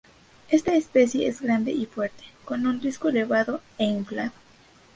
Esta especie es grande y fuerte, con un disco elevado e inflado.